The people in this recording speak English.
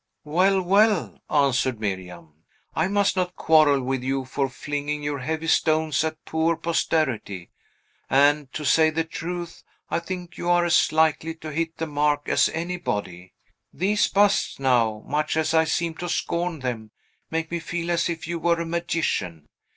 "Well, well," answered Miriam, "I must not quarrel with you for flinging your heavy stones at poor Posterity; and, to say the truth, I think you are as likely to hit the mark as anybody. These busts, now, much as I seem to scorn them, make me feel as if you were a magician..